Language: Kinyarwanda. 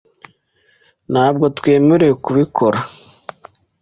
Ntabwo twemerewe kubikora .